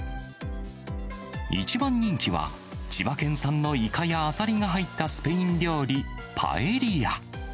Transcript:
一番人気は、千葉県産のイカやアサリが入ったスペイン料理、パエリア。